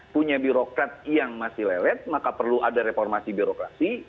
punya birokrat yang masih lelet maka perlu ada reformasi birokrasi